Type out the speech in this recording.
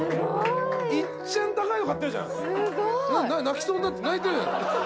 いっちゃん高いの買ってるじゃん。